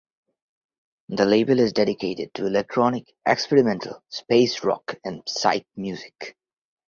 The label is dedicated to electronic, experimental, space rock and psych music.